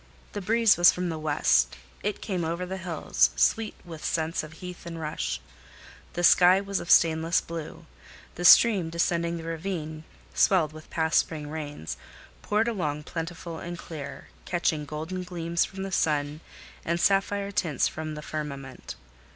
The breeze was from the west: it came over the hills, sweet with scents of heath and rush; the sky was of stainless blue; the stream descending the ravine, swelled with past spring rains, poured along plentiful and clear, catching golden gleams from the sun, and sapphire tints from the firmament.